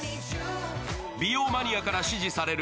美容マニアから支持される